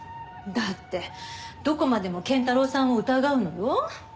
だってどこまでも謙太郎さんを疑うのよ。